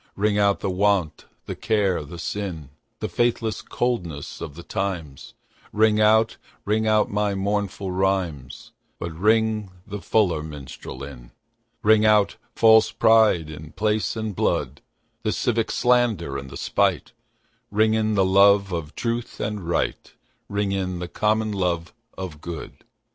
Ring out the want, the care the sin, The faithless coldness of the times; Ring out, ring out my mournful rhymes, But ring the fuller minstrel in. Ring out false pride in place and blood, The civic slander and the spite; Ring in the love of truth and right, Ring in the common love of good.